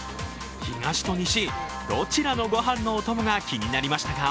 東と西、どちらのご飯のお供が気になりましたか？